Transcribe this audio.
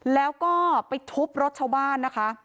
แล้วก็ไปทุบรถชาวบ้านนะคะ